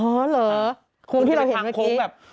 โค้กที่เราเห็นเมื่อกี้ต้องไปทางโค้กแบบ